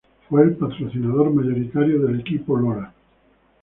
En la fue el patrocinador mayoritario del equipo Lola.